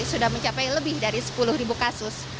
sudah mencapai lebih dari sepuluh kasus